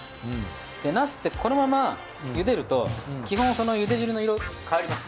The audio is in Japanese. ナスってこのまま茹でると基本その茹で汁の色変わります。